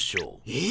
えっ？